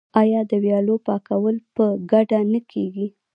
آیا د ویالو پاکول په ګډه نه کیږي؟